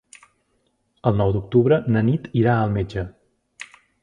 El nou d'octubre na Nit irà al metge.